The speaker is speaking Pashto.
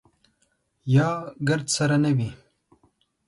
یا ګرد سره نه وي.